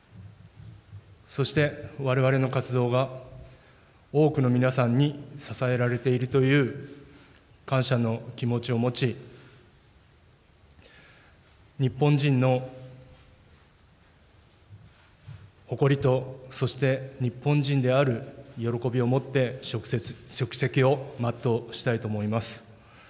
そして、われわれの活動が、多くの皆さんに支えられているという感謝の気持ちを持ち、日本人の誇りと、そして日本人である喜びを持って、職責を全うしたいと思います。